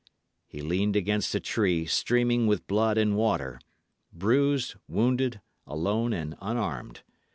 He leaned against a tree, streaming with blood and water, bruised, wounded, alone, and unarmed.